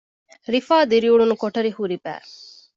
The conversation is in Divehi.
ރިފާ ދިރިއުޅުނު ކޮޓަރި ހުރި ބައި